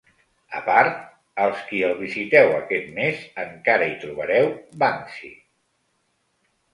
A part, els qui el visiteu aquest mes, encara hi trobareu Banksy.